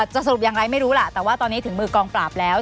สรุปอย่างไรไม่รู้ล่ะแต่ว่าตอนนี้ถึงมือกองปราบแล้ว